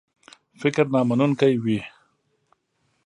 فکر نامنونکی وي.